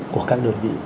của các đơn vị